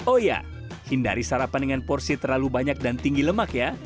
oh ya hindari sarapan dengan porsi terlalu banyak dan tinggi lemak ya